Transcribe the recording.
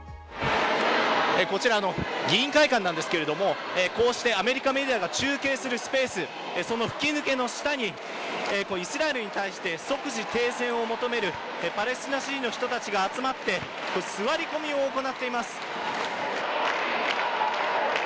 こちらの議員会館なんですけれども、こうしてアメリカメディアが中継するスペース、その吹き抜けの下にイスラエルに対して即時停戦を求めるパレスチナ人の人たちが集まって、座り込みを行っています。